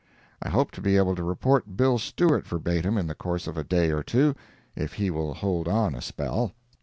I hope to be able to report Bill Stewart verbatim in the course of a day or two, if he will hold on a spell.